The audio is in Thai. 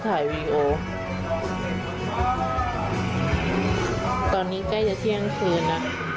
ไปหอพักด้วยนะ